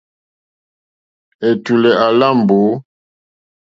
Ɛ̀tùlɛ̀ à lá mbǒ.